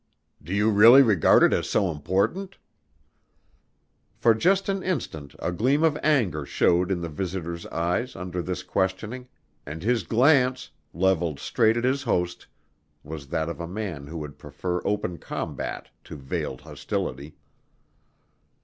"Do you really regard it as so important?" For just an instant a gleam of anger showed in the visitor's eyes under this questioning, and his glance, leveled straight at his host, was that of a man who would prefer open combat to veiled hostility.